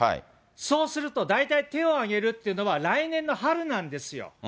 そうすると、大体、手を挙げるというのは来年の春なんですよ。